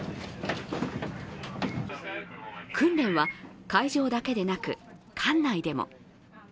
訓練は海上だけでなく艦内でも。